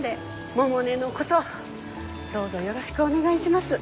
百音のことどうぞよろしくお願いします。